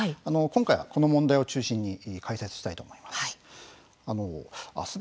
今回はこの問題を中心に解説したいと思います。